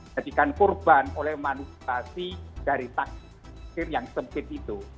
dijadikan korban oleh manusia dari taksir yang sempit itu